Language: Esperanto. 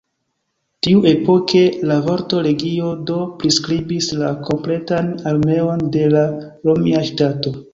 Tiuepoke la vorto "legio" do priskribis la kompletan armeon de la romia ŝtato.